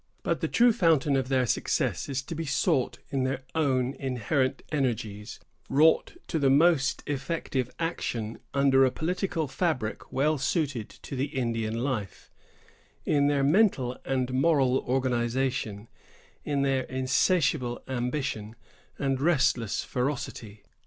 But the true fountain of their success is to be sought in their own inherent energies, wrought to the most effective action under a political fabric well suited to the Indian life; in their mental and moral organization; in their insatiable ambition and restless ferocity.